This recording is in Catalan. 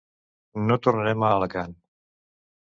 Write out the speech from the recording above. No tornaren a Alacant.